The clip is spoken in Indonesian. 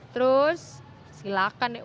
terus silakan deh